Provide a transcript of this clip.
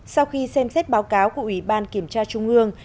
sau khi xem xét báo cáo của ủy ban kiểm tra trung ương